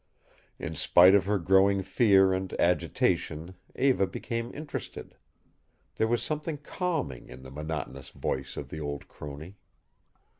In spite of her growing fear and agitation Eva became interested. There was something calming in the monotonous voice of the old crone.